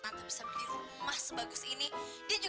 ada berita kurang bagus bu